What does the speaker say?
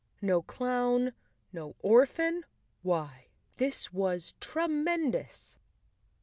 No clown, no orphan! Why, this was tremendous!